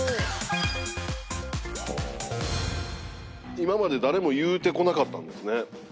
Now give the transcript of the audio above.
今まで誰も言うてこなかったんですね。